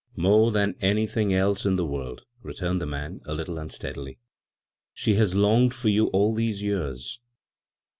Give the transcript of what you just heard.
" More ihan anything else in the world," returned the man, a little unsteadily. " She has longed for you all these years."